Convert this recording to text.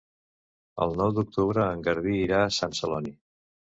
El nou d'octubre en Garbí irà a Sant Celoni.